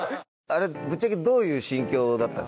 あれぶっちゃけどういう心境だった？